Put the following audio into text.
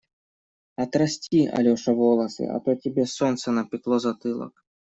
Отрасти, Алеша, волосы, а то тебе солнце напекло затылок.